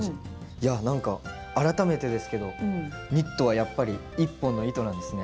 いや何か改めてですけどニットはやっぱり１本の糸なんですね。